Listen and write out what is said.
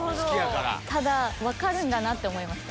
ただ分かるんだなって思いました。